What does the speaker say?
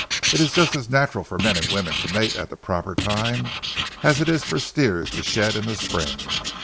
It is just as natural for men and women to mate at the proper time, as it is for steers to shed in the spring.